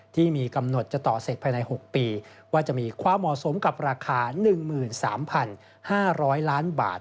ที่มีกำหนดจะต่อเสร็จภายใน๖ปีว่าจะมีความเหมาะสมกับราคา๑๓๕๐๐ล้านบาท